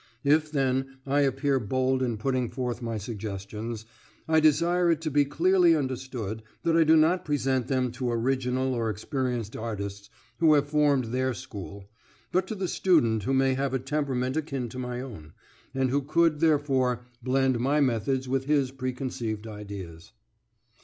If, then, I appear bold in putting forth my suggestions, I desire it to be clearly understood that I do not present them to original or experienced artists who have formed their school, but to the student who may have a temperament akin to my own, and who could, therefore, blend my methods with his preconceived ideas.